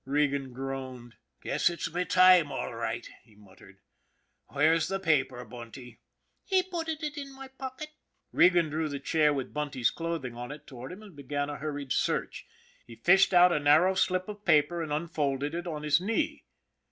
Regan groaned. " Guess it's my time all right," he muttered. " Where's the paper, Bunty? "" He putted it in my pocket." Regan drew the chair with Bunty's clothing on it toward him, and began a hurried search. He fished out a narrow slip of paper and unfolded it on his knee.